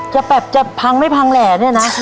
จะแบบจะพังไม่พังแหล่เนี่ยนะ